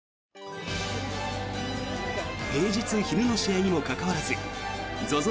平日昼の試合にもかかわらずＺＯＺＯ